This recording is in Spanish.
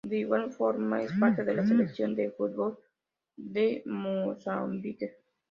De igual forma es parte de la selección de fútbol de Mozambique.